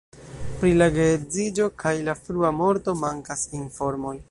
Pri la geedziĝo kaj la frua morto mankas informoj.